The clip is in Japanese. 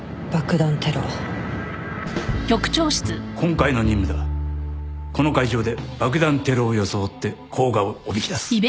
今回の任務ではこの会場で爆弾テロを装って甲賀をおびき出す。